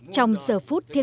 trong giờ phút thiên nhiên